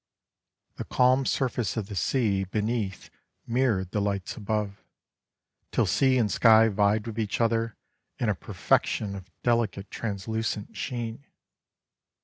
The calm surface of the sea beneath mirrored the lights above, till sea and sky vied with each other in a perfection of delicate translucent sheen.